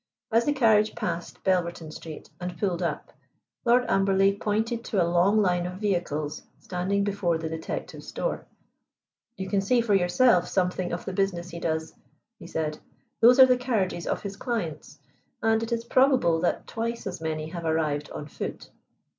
As the carriage passed Belverton Street and pulled up, Lord Amberley pointed to a long line of vehicles standing before the detective's door. "You can see for yourself something of the business he does," he said. "Those are the carriages of his clients, and it is probable that twice as many have arrived on foot."